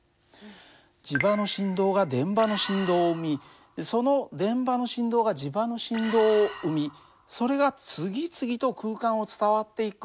磁場の振動が電場の振動を生みその電場の振動が磁場の振動を生みそれが次々と空間を伝わっていく。